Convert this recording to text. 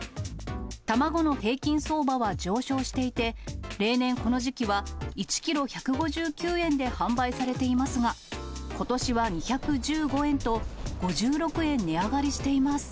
卵の平均相場は上昇していて、例年この時期は、１キロ１５９円で販売されていますが、ことしは２１５円と、５６円値上がりしています。